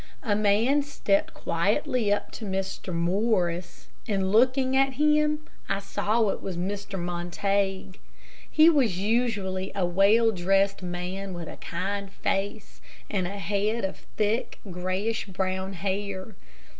A man stepped quietly up to Mr. Morris, and looking at him, I saw that it was Mr. Montague. He was usually a well dressed man, with a kind face, and a head of thick, grayish brown hair.